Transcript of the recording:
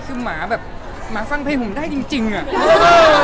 คือหมาแบบหมาฟังเพลงผมได้จริงจริงอ่ะ